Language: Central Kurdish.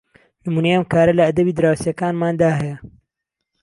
نمونەی ئەم کارە لە ئەدەبی دراوسێکانماندا هەیە